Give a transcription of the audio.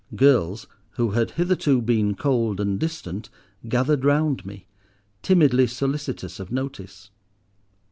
Girls who had hitherto been cold and distant gathered round me, timidly solicitous of notice.